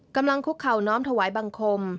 กำลังคุกเข่าน้อมถวายบังคม